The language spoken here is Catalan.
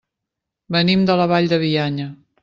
Venim de la Vall de Bianya.